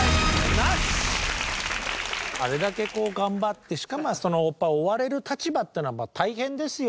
あれだけ頑張ってしかも追われる立場っていうのは大変ですよ